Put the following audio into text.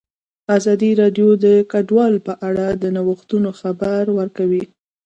ازادي راډیو د کډوال په اړه د نوښتونو خبر ورکړی.